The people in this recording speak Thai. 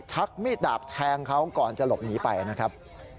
ชักมีดดาบแทงเขาก่อนจะหลบหนีไปนะครับ